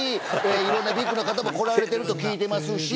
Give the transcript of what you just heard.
色んなビッグな方も来られてると聞いてますし。